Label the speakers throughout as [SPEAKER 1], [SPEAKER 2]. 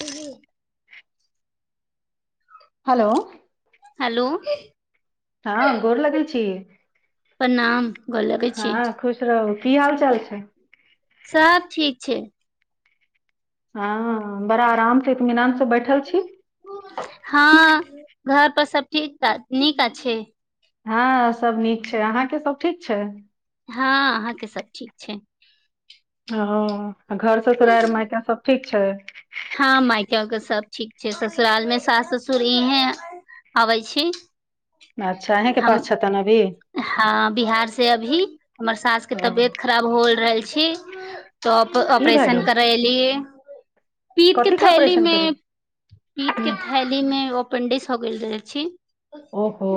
[SPEAKER 1] जी
[SPEAKER 2] hello
[SPEAKER 1] hello.
[SPEAKER 2] हँ गोर लगै छी
[SPEAKER 1] प्रणाम गोर लगै छी
[SPEAKER 2] हँ खुश रहू की हाल चाल छै।
[SPEAKER 1] सब ठीक छै
[SPEAKER 2] हँ बड़ा आराम से त।
[SPEAKER 1] हँ घर पर सब। ठीक त नीक आ छै।
[SPEAKER 2] हँ सब नीक छै अहाँ के सब ठीक छै।
[SPEAKER 1] हँ अहाँके सब ठीक छै।
[SPEAKER 2] हँ। आ घर ससुरराार मायक सब ठीक। अचछा।
[SPEAKER 1] हँ मायके के सब ठीक छै ससुराल मे सास ससुर इहें अबै छै।
[SPEAKER 2] अच्छा अहेंके
[SPEAKER 1] हम
[SPEAKER 2] पास छतन अभी
[SPEAKER 1] हँ बिहार से। से अभी। हमरा सास के
[SPEAKER 2] ओ
[SPEAKER 1] तबियत खराब हो रहल छै। छी। त
[SPEAKER 2] की भए
[SPEAKER 1] ऑपरेशन
[SPEAKER 2] गेल
[SPEAKER 1] करै लिय। पीत के
[SPEAKER 2] कथी
[SPEAKER 1] थैली
[SPEAKER 2] ऑपरेशन
[SPEAKER 1] मे
[SPEAKER 2] करै
[SPEAKER 1] पीत के थैली मे। एपेंडिक्स हो गेल छी।
[SPEAKER 2] ओहो।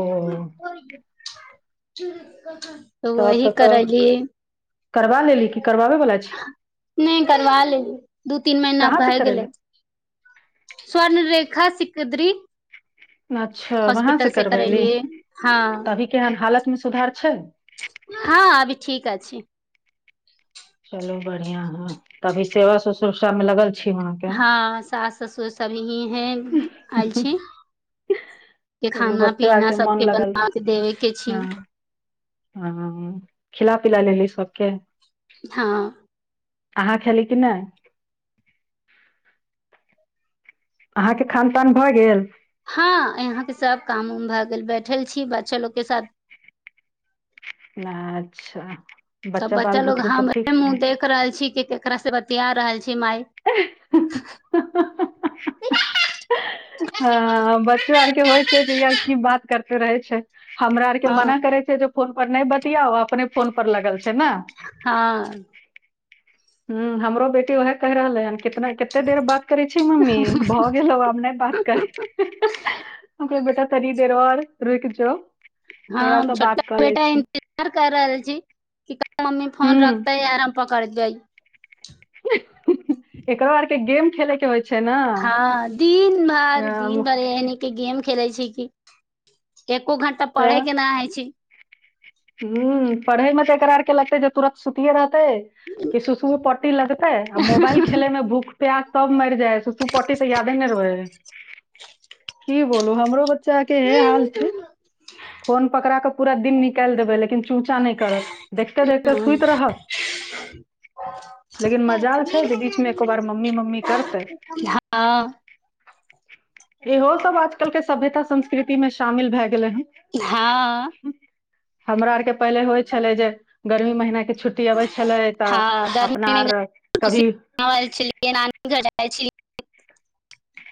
[SPEAKER 1] च
[SPEAKER 2] त आब त करबा लेली कि करबाबै वलाा छी।
[SPEAKER 1] नहि करवा ले। दू तीन महिना।
[SPEAKER 2] कहाँ से
[SPEAKER 1] ल गेल
[SPEAKER 2] करेले
[SPEAKER 1] गेलै। स्वर्ण रेखा सिकद्री।
[SPEAKER 2] अच्छा वहां से
[SPEAKER 1] हॉस्पिटल
[SPEAKER 2] करबैली
[SPEAKER 1] करेलियै हँ
[SPEAKER 2] त अभी केहन हालत मे सुधार छै।
[SPEAKER 1] हँ अभी ठीक अ छी।
[SPEAKER 2] चलू बढ़िया ह तभी सेवा ससुर सब मे लगल। छी अहाँके
[SPEAKER 1] हँ सास ससुर सब ही हैं। आलछी के
[SPEAKER 2] चलू
[SPEAKER 1] खाना
[SPEAKER 2] बच्चो
[SPEAKER 1] पीना
[SPEAKER 2] आरके मोन
[SPEAKER 1] सबके बना के देबे के छी।
[SPEAKER 2] ह खिला पिला लेली सबके।
[SPEAKER 1] हँ।
[SPEAKER 2] अहाँ खेली कि नहि। अहाँके खान पान भए गेल।
[SPEAKER 1] हँ यहाँके सब काम उम भए गेल बैठल छी बच्चा लोगके साथ।
[SPEAKER 2] अच्छा।
[SPEAKER 1] सब
[SPEAKER 2] बाल
[SPEAKER 1] बच्चा लोग
[SPEAKER 2] बुतरू सब
[SPEAKER 1] हम
[SPEAKER 2] ठीक
[SPEAKER 1] मुह
[SPEAKER 2] छै
[SPEAKER 1] देख रहल छी कि केकरा से बतिया रहल छी माय।
[SPEAKER 2] बच्चो आरके होइ छै। जहिया की बात करते रहे छै। हमरा आरके
[SPEAKER 1] हँ
[SPEAKER 2] मना करै छै जे। फोन पर नहि बतियाउ अपने फोन पर लगल छै। ने
[SPEAKER 1] हँ।
[SPEAKER 2] ह हमरो बेटी उएहे कहि रहले ह। कितना कते देर बात करे छी मम्मी भ गेलो आब नहि बात कर कह बेटा तनी देर और। रुक जो।
[SPEAKER 1] हँ
[SPEAKER 2] थोड़ा
[SPEAKER 1] हम
[SPEAKER 2] सा
[SPEAKER 1] छोटका
[SPEAKER 2] बात कऽ लै
[SPEAKER 1] बेटा
[SPEAKER 2] छी
[SPEAKER 1] इन्तजार कर रहल छी। मम्मी फोन
[SPEAKER 2] हुँ
[SPEAKER 1] रखत ह आर पक। कर दइ।
[SPEAKER 2] इकड़ वारक। गेम खेले के। छै ने
[SPEAKER 1] हँ दिन भार दिन
[SPEAKER 2] अ
[SPEAKER 1] भार एहने के गेम। खेलइ छै कि। एको घण्टा पढ़ै के नहि हइ छै।
[SPEAKER 2] ह पढ़े में तऽ एकरा आर के लगते जे तुरत सुतिये रहत। कि श सुशु पट्टी लगतै आ मोबाल खेलमे भूक। प्य क मर। सुसु पौटी तऽ यादे ने रहल। की बोलू हमरो ब। बच्चा के हे हाल छै फोन पकड़ा क पूरा दिन न। देबै लेकिन चूचा नहि करत देखते देखते सुति
[SPEAKER 1] हँ
[SPEAKER 2] रह लेकिन मजाल छै जे बीचमे एको बार मम्मी मम्मी करतै इहो सब आजकल के सभ। संस्कृति मे शामिल भए गेल।
[SPEAKER 1] हँ।
[SPEAKER 2] हमरा आरके पहिले होइ छलै जे। गर्मी महीना के छुट्टी अबै छलै तऽ
[SPEAKER 1] हँ
[SPEAKER 2] अपना
[SPEAKER 1] गर्मीमे
[SPEAKER 2] आर
[SPEAKER 1] खुशी
[SPEAKER 2] कभी
[SPEAKER 1] छलिय नानी घ छल।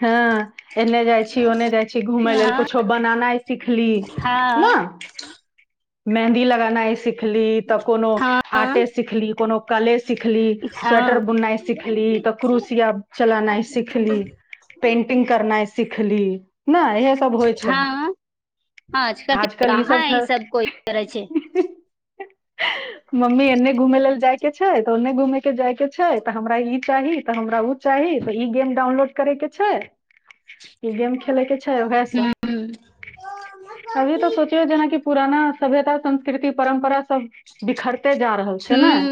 [SPEAKER 2] हँ एन्ने जाइ छी ओन्ने जाइ छी घुमय लेल
[SPEAKER 1] हँ
[SPEAKER 2] कछो बनेनाइ सिखली न।
[SPEAKER 1] हँ
[SPEAKER 2] मेंहन्दी लगानाइ सिक। सिखली तऽ कोनो
[SPEAKER 1] हँ
[SPEAKER 2] आर्टे सिखली कोनो। कले। सिखली स्वेटर
[SPEAKER 1] हँ
[SPEAKER 2] बुननाइ सिखली त क्रुसिया चलनाइ सिखली। पेंटिंग करनाइ सिखली ने इहे सब होइ छलै
[SPEAKER 1] हँ के
[SPEAKER 2] आजकल ई सब
[SPEAKER 1] कहाँ
[SPEAKER 2] छै।
[SPEAKER 1] कोइ करै छै
[SPEAKER 2] [unintelligible] मम्मी एने घुमै ल लेल जाइ। के छै तऽ ओन्ने घूमे के जाय के छै तऽ हमरा ई चाही तऽ हमरा उ चाही त ई गेम डाउनलोड करे के। छै। ई गेम खेले के छै वएह सब
[SPEAKER 1] ह
[SPEAKER 2] अभी तऽ सोचियो जेनाकि पुराना। सभ्यता संस्कृति परम्परा सब बिखर।
[SPEAKER 1] ह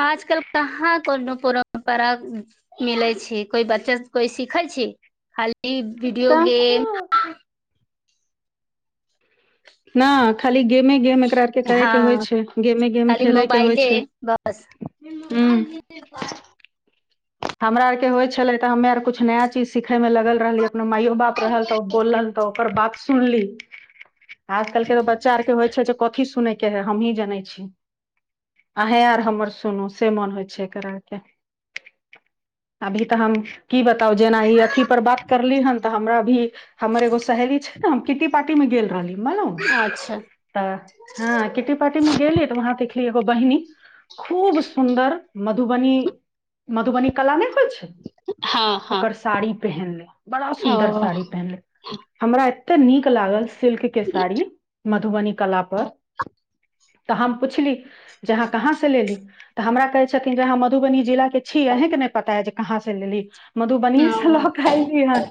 [SPEAKER 1] आजकल कहाँ कोनोूप। पड़ा मिलै छै कोइ बच्चा कोइ सिखै छी खाली। ई वीडियो
[SPEAKER 2] तऽ
[SPEAKER 1] गेम।
[SPEAKER 2] नहि खाली गेमे गेम एकरा आरके
[SPEAKER 1] हँ
[SPEAKER 2] करयके होइ छै गेमे गेम
[SPEAKER 1] खाली
[SPEAKER 2] खेलयके होइ
[SPEAKER 1] मोबाइले
[SPEAKER 2] छै
[SPEAKER 1] बस
[SPEAKER 2] ह्म। हमरा आरके होइत छलै त हमे आर किछु नया चीज सिखयमे लगल रहलियै। अपना माइयो बाप रहल त बोलल त ओकर बात सुनली। आजकल के तो बच्चा आर के होइ छै। कथी सुनैके है हमही जानै छी अहे आर हमर सुनू से मन होइ छै एक आरके। अभी त हम की बताउ जेना ई अथी पर बात करली हन तऽ हमरा भी हमर एगो सहेली छै ने हम किट्टी पार्टी मे गेल रहली।
[SPEAKER 1] अच्छा
[SPEAKER 2] त ह किटी पार्टी मे गेली त वह। लि बहिनी खूब सुन्दर। मधुबनी। मबनी कला नहि होइ छै
[SPEAKER 1] हँ हँ
[SPEAKER 2] ओकर साड़ी पहिन ले बड़ा
[SPEAKER 1] ओ
[SPEAKER 2] सुन्दर साड़ी पहिनले हमरा। एतेक नीक लागल। सिल्क के साड़ी मधुबनी कला पर। त हम पुछली जे अहाँ कहाँ से लेली त हमरा कहै छथिन जेहाँ मधुबनी जिला के। छी अहे क नहि पता ह जे। ह हाँ सेलली। मधुबनीय से
[SPEAKER 1] ओ
[SPEAKER 2] ल के एयली हन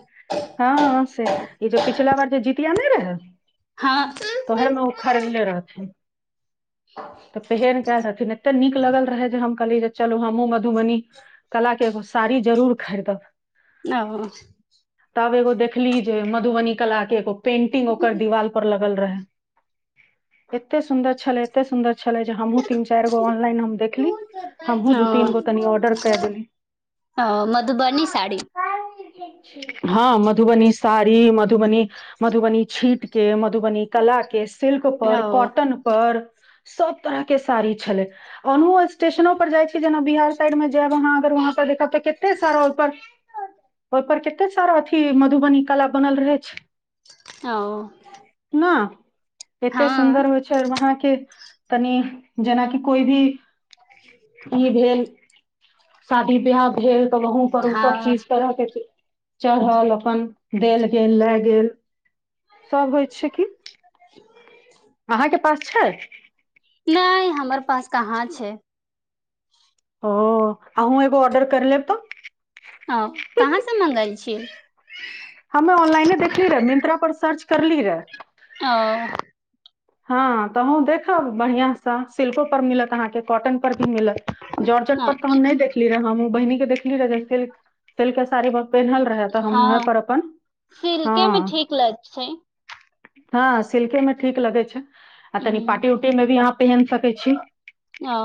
[SPEAKER 2] हँ से ई जे पिछला बार जे जीतिया ने रे। हँ।
[SPEAKER 1] हँ
[SPEAKER 2] त ओहेम उ खरीदले रहथीन। त पहिन क रहथिन एते नीक लगल रहै जे हम। कहलियई जे चलो हमू मधुमनी। कला के एगो साड़ी जरूर खरीदब।
[SPEAKER 1] आ।
[SPEAKER 2] तब एगो देखली जे मधुबनी कलााके एगो। पेंटिंग ओकर दिवाल पर लगल रहै। एते सुन्दर छलै एते सुन्दर छल। छली जे हमहू तीन चार गो ऑनलाइन देखली हमहु दु तीन हो तनि ऑर्डर। कए देली
[SPEAKER 1] ह मधुबनी साड़ी।
[SPEAKER 2] हँ मधुबनी साड़ी मधुबनी मधुबनी छीटके म। मधुबनी कला के सिल्क पर
[SPEAKER 1] ओ
[SPEAKER 2] कॉटन पर। सब तरह के साड़ी छलै ओनहु स्टेशनो पर जाइ छी जेना बिहार साइड मे। जाब अहाँ अगर वहाँ पर देखब तऽ कते सारा ओ ओहिप कते सारा अथी मधुबनी कला बनल रहे छै
[SPEAKER 1] ओ
[SPEAKER 2] हँ एते
[SPEAKER 1] हँ
[SPEAKER 2] सुन्दर होइ छैर वहांके तनी जेनाकि कोइ भी ई भेल शादी ब्याह भेल तऽ वहं पर ओ सब
[SPEAKER 1] हँ
[SPEAKER 2] चीज करके चढ़ल अपन देल गेल लै गेल सभ होइ छै की अहाँ क पच छैय
[SPEAKER 1] नहि हमर पास कहाँ छै
[SPEAKER 2] ओ आहू एगो ऑर्डर कर लेब तऽ
[SPEAKER 1] ह कहाँसँ मंगाइल छिय
[SPEAKER 2] तरली रह
[SPEAKER 1] ओ
[SPEAKER 2] हँ तहूँ देखब बढ़िआंसँ शिल्पो पर मिलत अहाँके कॉटन पर भी मिलत जॉर्जट पर त हम नहि देखली रहे हम बहिनी के देखली रहै तेल के सारे ब पेहनल रहे त हम वहाँ पर
[SPEAKER 1] हँ
[SPEAKER 2] अपन
[SPEAKER 1] सिल्के मे
[SPEAKER 2] हँ
[SPEAKER 1] ठीक लग छै
[SPEAKER 2] हँ सिल्के में ठीक लगै छैय आ तनि
[SPEAKER 1] ह
[SPEAKER 2] पार्टी उटी मे भी अहाँ पहन सकै छी
[SPEAKER 1] ओ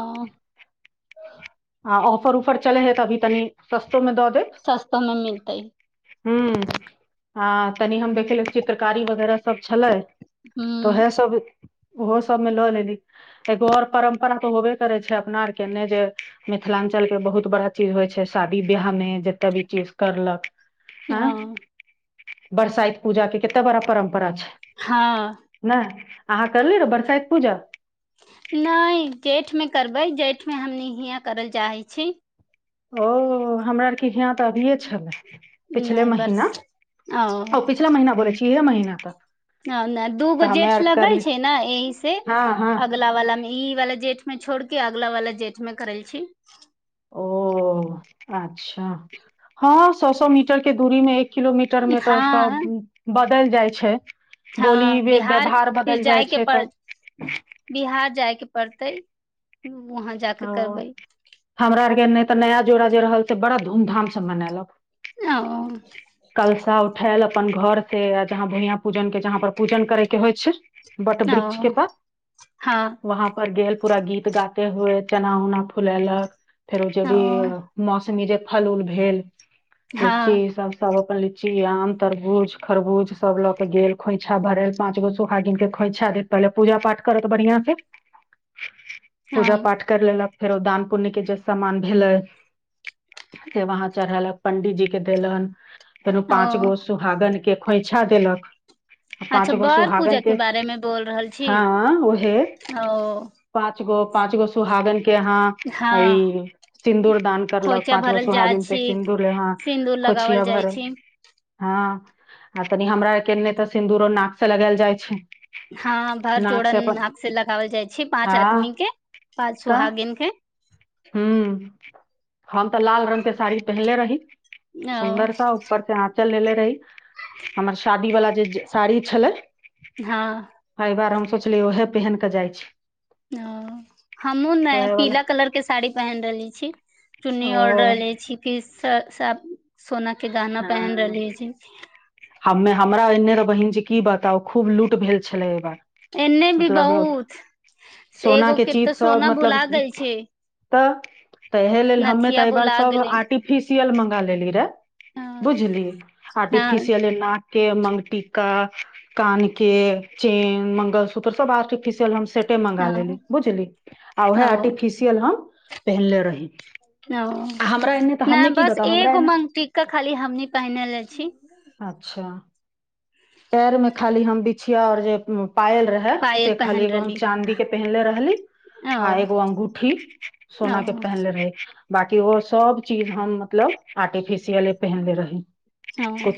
[SPEAKER 2] आ ऑफर उफर चले हय तभी तनी सस्ता तमे दऽ देब
[SPEAKER 1] सस्तो मे मिलतै
[SPEAKER 2] हू हँ तनि हम देख ले चित्रकारी वगैरह सब छलैय तो है
[SPEAKER 1] ह
[SPEAKER 2] सब ओहो सबमे लऽ लेली एगो आओर परम्परा तऽ होबे करै छै अपना आर केने जे मिथिलाञ्चलके बहुत बड़ा चीज होइ छै शादी बियाहमे जते भी चीज करलक
[SPEAKER 1] हँ
[SPEAKER 2] बरसाइत पूजा के कतते बड़ा परब
[SPEAKER 1] हँ
[SPEAKER 2] नहि अहाँ करलियै र बरसाइत पूजा
[SPEAKER 1] नहि जेठमे करबै जेठ मे हमनि के हीया करल जाए छैय
[SPEAKER 2] ओ हमरा आरके हियां तऽ अभिये छलै पिछल
[SPEAKER 1] नहि बर्ष
[SPEAKER 2] महिना
[SPEAKER 1] ओ
[SPEAKER 2] आ पिछला महिना बोलै छैय केय महीना तक
[SPEAKER 1] दूगो जेठ लगल छैय ने एहि से
[SPEAKER 2] हँ हँ
[SPEAKER 1] अगला वाला मे ई वाला जेठ में छोड़ के अगला वाला जेठ में करल छी।
[SPEAKER 2] ओ अच्छा। अा हँ। सो सौ मीटर के दूरी मे एक। किलोमीटर मे तऽ सब।
[SPEAKER 1] हँ
[SPEAKER 2] देल जाइ छै। बोली
[SPEAKER 1] हँ
[SPEAKER 2] वे-
[SPEAKER 1] बिहार
[SPEAKER 2] व्यवहार
[SPEAKER 1] फिर
[SPEAKER 2] बदलि जाइ
[SPEAKER 1] जायके
[SPEAKER 2] छै तऽ
[SPEAKER 1] प बिहार जायके पड़। तै।
[SPEAKER 2] ओ हमरा आरके नहि। तऽ नया जोड़ा जे रहल से बड़ा धूमधाम से मनेलक।
[SPEAKER 1] ओ।
[SPEAKER 2] उठल अपन घर से जहाँ भुया पूजन के जहाँ पर पूजन करे के होइ छै। बट
[SPEAKER 1] ओ
[SPEAKER 2] बृक्ष के पास
[SPEAKER 1] हँ
[SPEAKER 2] वहाँ पर ग। पूरा गीत गाते हए। चना उना फुलेलक। फेर जे
[SPEAKER 1] ओ
[SPEAKER 2] भी मौस। ीर फल उल भेल। लीची
[SPEAKER 1] हँ
[SPEAKER 2] सब। अपन लीची आम तरबूज खरबूज सब ल के गेल खोइछा भरेल पाँच गो सोहा गिनके खोइछा देत पहिले पूजा पाठ करत बढ़िआं से।
[SPEAKER 1] हँ
[SPEAKER 2] पूजा पाठ। क फेरो दान पु्य के जे सामान भेले से वहां चढ़ेलक पंडी जी के देलन। तेनू
[SPEAKER 1] ओ
[SPEAKER 2] पाँच गो सुहागन के। खोइछा देलक।
[SPEAKER 1] अच्छा
[SPEAKER 2] पांच गो
[SPEAKER 1] बड़
[SPEAKER 2] सुहागन
[SPEAKER 1] पूजा के बारेमे बोल रहल छी
[SPEAKER 2] हँ
[SPEAKER 1] ओ।
[SPEAKER 2] प गो पाँच गो। सुहागन। के यहा
[SPEAKER 1] हँ
[SPEAKER 2] ई सिन्दूर दान करलक
[SPEAKER 1] खोइचा
[SPEAKER 2] पाँच गो
[SPEAKER 1] भरल जाइ
[SPEAKER 2] सुहागिन से
[SPEAKER 1] छी
[SPEAKER 2] सिन्दूर लेहां
[SPEAKER 1] सिन्दूर लगावल
[SPEAKER 2] खोछिया
[SPEAKER 1] जाइ
[SPEAKER 2] भर
[SPEAKER 1] छी
[SPEAKER 2] हँ। आ तनि हमरा आर के नहि त सिन्दूरो नाक से लगायल जाइ छै।
[SPEAKER 1] हँ भर
[SPEAKER 2] नाक से अपन
[SPEAKER 1] जोड़न हाथ से लगओल जाइ छै पाँच आदमी
[SPEAKER 2] हँ
[SPEAKER 1] के। पाँच सुहागिन के।
[SPEAKER 2] हँ हम तऽ लाल रंगग के साड़ी पहिले रही।
[SPEAKER 1] ओ
[SPEAKER 2] सुन्दर सा ऊपर से आँचल ल ले। तइ। हमर शादी वलाा जे। साड़ी छलै।
[SPEAKER 1] हँ।
[SPEAKER 2] सोचलियै उएहे पहिनक केऽ जाइ छै।
[SPEAKER 1] ओ हमँ ने
[SPEAKER 2] ओहे वाला
[SPEAKER 1] पीला कलर के साड़ी। पहन रहली छी चुन्नी और
[SPEAKER 2] ओ
[SPEAKER 1] रहले छी फिर। स स सोना। के दाना
[SPEAKER 2] हँ
[SPEAKER 1] पहन रहली छी।
[SPEAKER 2] हमे हमरा एने रऽ बहिन जे की बताउ खूब लूट भेल छलै एहि बार।
[SPEAKER 1] एने भी
[SPEAKER 2] मतलब
[SPEAKER 1] बहुत
[SPEAKER 2] सोना
[SPEAKER 1] एगो के
[SPEAKER 2] चीज
[SPEAKER 1] तऽ
[SPEAKER 2] सब
[SPEAKER 1] सोना
[SPEAKER 2] मतलब
[SPEAKER 1] भुला देल छै।
[SPEAKER 2] तऽ। तऽ एहि लेल हमे
[SPEAKER 1] नथिया
[SPEAKER 2] तऽ एहिार
[SPEAKER 1] भुला
[SPEAKER 2] सभ
[SPEAKER 1] गेलै
[SPEAKER 2] आर्टिफिस। सियल मंगा लेली रे।
[SPEAKER 1] हँ
[SPEAKER 2] बुझली
[SPEAKER 1] हँ
[SPEAKER 2] आर्टिफिसियल न। के मंगटा कान के चेन मंगलसूत्र सब आर्टिफिशियल। सेटे मंगा लेली बुझली आ ओहे
[SPEAKER 1] ओ
[SPEAKER 2] आर्टिफिसियल हम। पेहेन रहि।
[SPEAKER 1] ओ नहि बस
[SPEAKER 2] बताउ
[SPEAKER 1] ए
[SPEAKER 2] हमरा
[SPEAKER 1] गो
[SPEAKER 2] एन्ने
[SPEAKER 1] मांगटीका। के खाली हमनी पहिनेले छी।
[SPEAKER 2] अच्छा पैर मे खाली हम बिछिया रहे जे। पायल रहे
[SPEAKER 1] पायल
[SPEAKER 2] से खाली
[SPEAKER 1] पहिन
[SPEAKER 2] एगो हम
[SPEAKER 1] रहली
[SPEAKER 2] चादी के पहनले रहली
[SPEAKER 1] ओ
[SPEAKER 2] आ एगो अंगूठी
[SPEAKER 1] ओ
[SPEAKER 2] सोना के पहनले रहली। बाकी ओ सब चीज हम मतलब आर्टिफिसियल। सआे पहने रहे।
[SPEAKER 1] हँ।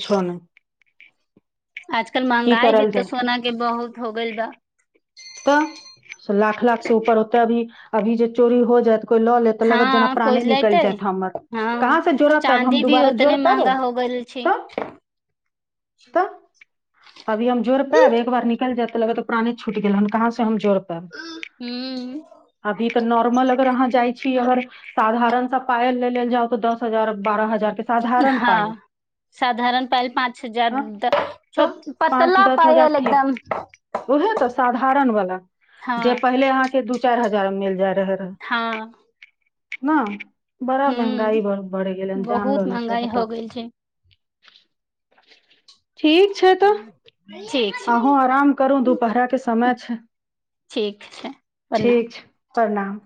[SPEAKER 1] आजकल
[SPEAKER 2] की
[SPEAKER 1] महंगाई भी
[SPEAKER 2] करल जाय
[SPEAKER 1] तऽ सोना के बहुत हो गेल बा।
[SPEAKER 2] तऽ लाख लाख से ऊपर होतै अभी अभी जे चोरी हो जात। ल ल ल जेना
[SPEAKER 1] हँ कोइ
[SPEAKER 2] प्राणे निकल
[SPEAKER 1] लेतै
[SPEAKER 2] जात हमर कहाँ
[SPEAKER 1] हँ
[SPEAKER 2] से जोड़ायब हम
[SPEAKER 1] चाँदी भी
[SPEAKER 2] दुबारा जोड़
[SPEAKER 1] उतने
[SPEAKER 2] पब
[SPEAKER 1] महंगा हो गेल छै
[SPEAKER 2] त। तऽ अभी हम जोरपैब एक बार निकल जाय त लग तऽ पाने छुट गेल। कहाँ से हम जोड़।
[SPEAKER 1] हूँ
[SPEAKER 2] अभी त नॉर्मल अगर अहाँ जाइ। गर साधारण पायल ले जात द दस। हजार बारह हजार के साधारण पायल
[SPEAKER 1] हँ साधारण पायल पाँच
[SPEAKER 2] हँ
[SPEAKER 1] हजार
[SPEAKER 2] तऽ पाँच
[SPEAKER 1] पतला
[SPEAKER 2] दस हजार
[SPEAKER 1] पायल एकदम।
[SPEAKER 2] परन वाला जे
[SPEAKER 1] हँ
[SPEAKER 2] पहिले आहा के दु चार। ार हजार मिल जायै।
[SPEAKER 1] हँ।
[SPEAKER 2] नहि। बड़ा महंगाई
[SPEAKER 1] हूँ
[SPEAKER 2] बढ़ गेलै
[SPEAKER 1] बहुत
[SPEAKER 2] जानलो
[SPEAKER 1] महंगाई हो
[SPEAKER 2] बता।
[SPEAKER 1] गेल छै
[SPEAKER 2] छै तऽ
[SPEAKER 1] ठीक। छै
[SPEAKER 2] अहूँ आराम करू दुपहराके समय छै।
[SPEAKER 1] ठीक छै। प्रणाम
[SPEAKER 2] ठीक छै। प्रणाम।